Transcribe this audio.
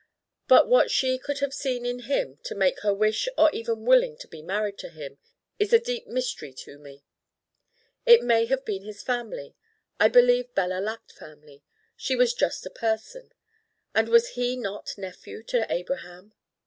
But what she could have seen in him to make her wish or even willing to be married to him is a deep mystery to me. It may have been his family. I believe Bella lacked family: she was just a person. And was he not nephew to Abraham?